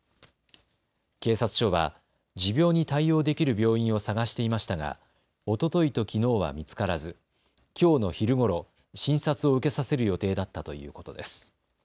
警察署は持病に対応できる病院を探していましたが、おとといときのうは見つからずきょうの昼ごろ診察を受けさせる予定だったということです。